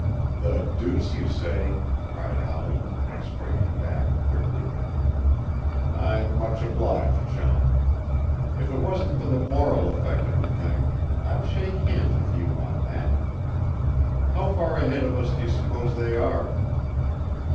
"The deuce you say!" cried Howland, springing back quickly. "I'm much obliged, Jean. If it wasn't for the moral effect of the thing I'd shake hands with you on that. How far ahead of us do you suppose they are?"